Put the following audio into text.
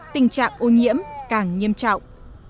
tình trạng ô nhiễm càng nghiêm trọng